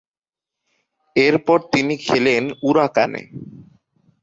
এরপর তিনি খেলেন উরাকানে।